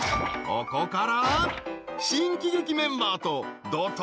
［ここから新喜劇メンバーと怒濤の］